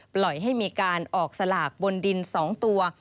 ปล่อยให้มีการออกสลากบนดิน๒ตัว